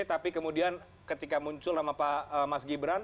tapi kemudian ketika muncul nama pak mas gibran